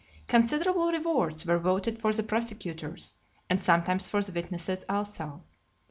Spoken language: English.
Considerable rewards were voted for the prosecutors, and sometimes for the witnesses also.